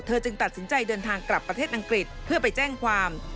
จึงตัดสินใจเดินทางกลับประเทศอังกฤษเพื่อไปแจ้งความ